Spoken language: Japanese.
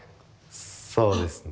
そうですね。